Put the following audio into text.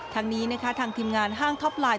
ทั้งนี้นะคะทางทีมงานห้างท็อปไลน